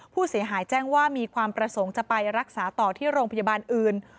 ผู้เสียหายแจ้งว่ามีความประสงค์จะไปรักษาต่อที่โรงพยาบาลอื่น